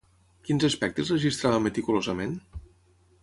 Quins aspectes registrava meticulosament?